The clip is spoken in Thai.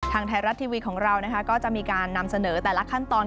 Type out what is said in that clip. ทางไทยรัฐทีวีของเราก็จะมีการนำเสนอแต่ละขั้นตอน